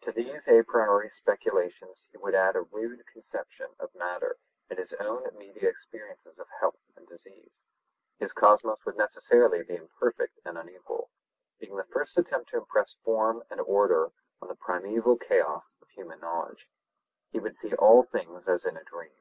To these a priori speculations he would add a rude conception of matter and his own immediate experience of health and disease. His cosmos would necessarily be imperfect and unequal, being the first attempt to impress form and order on the primaeval chaos of human knowledge. He would see all things as in a dream.